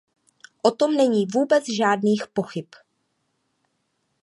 O tom není vůbec žádných pochyb.